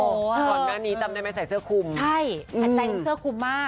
นี่ค่อนหน้านี้จำได้ไหมที่ใส่เสื้อคุมใช่ใช่ก็ใส่เสื้อคุมมาก